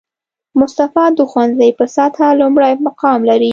مصطفی د ښوونځي په سطحه لومړی مقام لري